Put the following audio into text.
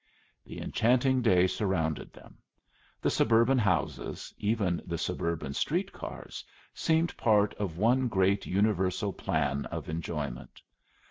The enchanting day surrounded them. The suburban houses, even the suburban street cars, seemed part of one great universal plan of enjoyment.